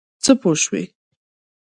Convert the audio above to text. څه پوه شوې.